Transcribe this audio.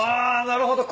なるほど。